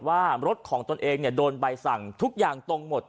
ว่ารถของตนเองโดนใบสั่งทุกอย่างตรงหมด